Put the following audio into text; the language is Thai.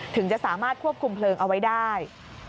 ถึงจะสามารถควบคุมเพลิงเอาไว้ได้